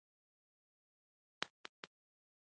آه ایس میکس هغه وژړل ستا لومړیتوبونه چیرته دي